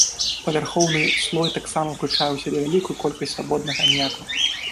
Павярхоўны слой таксама ўключае ў сябе вялікую колькасць свабоднага аміяку.